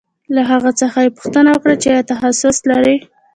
له هغه څخه یې پوښتنه وکړه چې آیا تخصص لرې